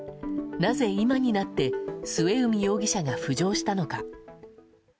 なぜ今になって末海容疑者が浮上したのか。